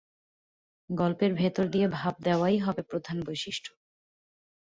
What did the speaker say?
গল্পের ভেতর দিয়ে ভাব দেওয়াই হবে প্রধান বৈশিষ্ট্য।